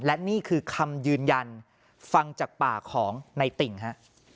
และนี่คือคำยืนยันฟังจากปากของในติ่งฮะ